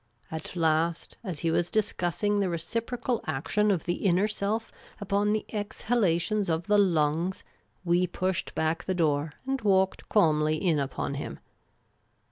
At last, as he was discussing the reciprocal action of the inner self upon the exhalations of the lungs, we pushed back the door and walked calmly in upon him.